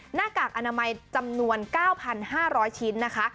หน้ากากอนามัยจำนวน๙๕๐๐ชิ้นนะคะ